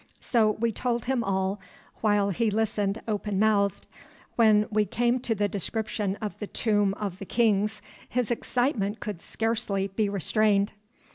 So we told him all, while he listened open mouthed. When we came to the description of the Tomb of the Kings his excitement could scarcely be restrained.